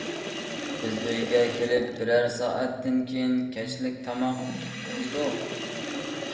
بىز ئۆيگە كېلىپ، بىرەر سائەتتىن كېيىن كەچلىك تاماق يېدۇق.